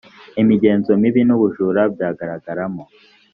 imigenzo mibi n ubujura byagaragaramo